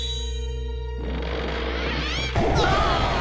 うわ！